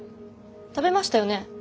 食べましたよね？